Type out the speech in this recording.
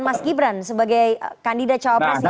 mas gibran sebagai kandidat cawapresnya